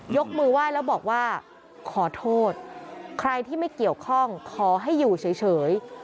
ยกมือไหว้แล้วบอกว่าขอโทษใครที่ไม่เกี่ยวข้องขอให้อยู่เฉย